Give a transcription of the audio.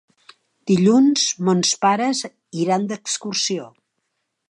Dilluns mons pares iran d'excursió.